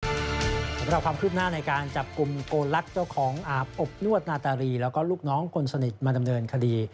สำหรับความคืบหน้าในการจับกลุ่มโกลักษณ์เจ้าของอาบอบนวดนาตารีแล้วก็ลูกน้องคนสนิทมาดำเนินคดี